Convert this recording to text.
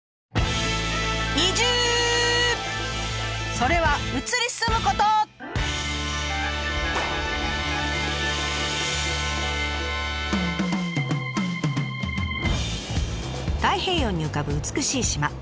それは太平洋に浮かぶ美しい島。